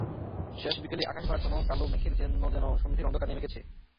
শেষ বিকেলে আকাশভরা ঘন-কালো মেঘের জন্য যেন সন্ধের অন্ধকার নেমে গেছে।